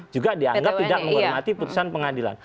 juga dianggap tidak menghormati putusan pengadilan